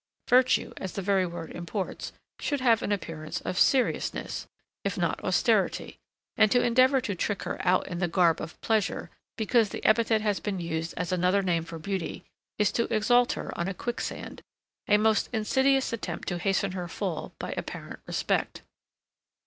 Virtue, as the very word imports, should have an appearance of seriousness, if not austerity; and to endeavour to trick her out in the garb of pleasure, because the epithet has been used as another name for beauty, is to exalt her on a quicksand; a most insidious attempt to hasten her fall by apparent respect.